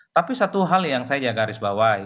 tapi satu hal yang saya garis bawahi